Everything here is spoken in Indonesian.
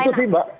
itu sih mbak